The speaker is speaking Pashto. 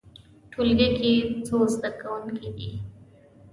ټولګی کې څو زده کوونکي دي؟